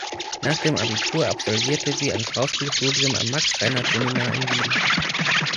Nach dem Abitur absolvierte sie ein Schauspielstudium am Max Reinhardt Seminar in Wien.